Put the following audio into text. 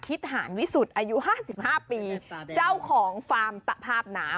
ทิศหารวิสุทธิ์อายุห้าสิบห้าปีเอาของฝาร์มตะภาพน้ำ